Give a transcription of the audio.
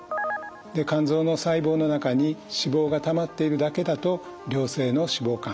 肝臓の細胞の中に脂肪がたまっているだけだと良性の脂肪肝。